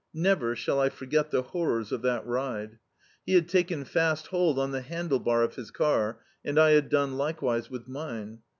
Never shall I forget the horrors of that ride. He had taken fast hold on the handle bar of his car, and I had done likewise with mine.